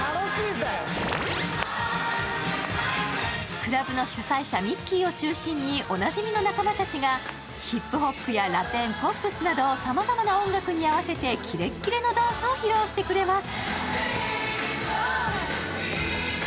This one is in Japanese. クラブの主催者、ミッキーを中心におなじみの仲間たちがヒップホップやラテン、ポップスなど、さまざまな音楽に合わせてキレッキレのダンスを披露してくれます。